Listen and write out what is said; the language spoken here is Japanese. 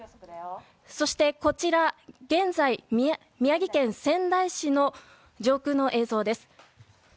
そして、現在宮城県仙台市の上空の映像です。